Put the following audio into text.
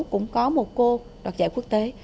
hai nghìn một mươi sáu cũng có một cô đoạt giải quốc tế